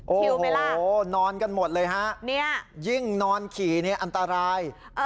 โอ้โหนอนกันหมดเลยฮะยิ่งนอนขี่เนี่ยอันตราย